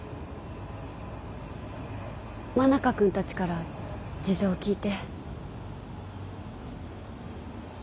真中君たちから事情を聴いて。